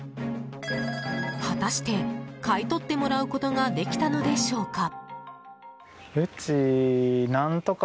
果たして買い取ってもらうことができたのでしょうか？